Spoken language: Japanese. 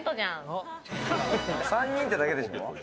３人ってだけでしょ。